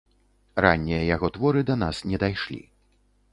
Раннія яго творы да нас не дайшлі.